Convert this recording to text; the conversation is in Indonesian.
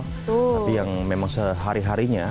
tapi yang memang sehari harinya